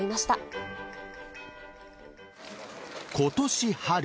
ことし春。